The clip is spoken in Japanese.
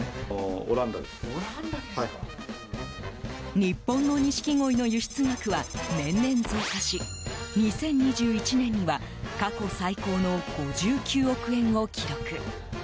日本のニシキゴイの輸出額は年々増加し２０２１年には過去最高の５９億円を記録。